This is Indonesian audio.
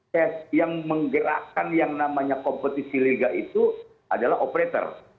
tes yang menggerakkan yang namanya kompetisi liga itu adalah operator